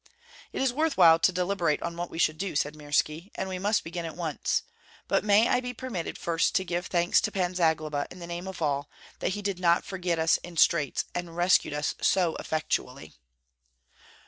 "It is worth while to deliberate on what we should do," said Mirski, "and we must begin at once. But may I be permitted first to give thanks to Pan Zagloba in the name of all, that he did not forget us in straits and rescued us so effectually?"